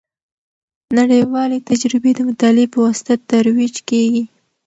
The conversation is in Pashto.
نړیوالې تجربې د مطالعې په واسطه ترویج کیږي.